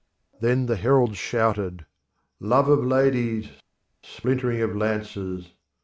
Then the heralds shouted, "Love of ladies, splintering of lances!